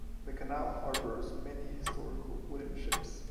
The canal harbours many historical wooden ships.